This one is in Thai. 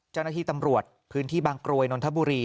เจ้าหน้าที่ตำรวจพื้นที่บางกรวยนนทบุรี